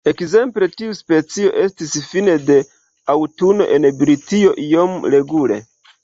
Ekzemple tiu specio estis fine de aŭtune en Britio iome regule.